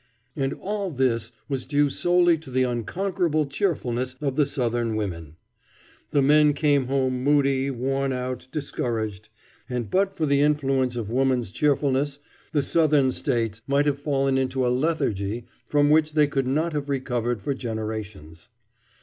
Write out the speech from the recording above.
And all this was due solely to the unconquerable cheerfulness of the Southern women. The men came home moody, worn out, discouraged, and but for the influence of woman's cheerfulness, the Southern States might have fallen into a lethargy from which they could not have recovered for generations.